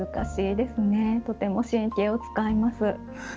とても神経を遣います。